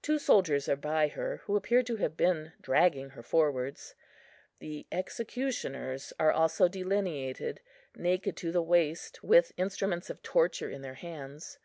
Two soldiers are by her, who appear to have been dragging her forwards. The executioners are also delineated, naked to the waist, with instruments of torture in their hands.